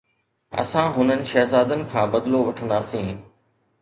اسان هنن شهزادن کان بدلو وٺنداسين